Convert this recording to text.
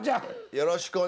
よろしくお願いします。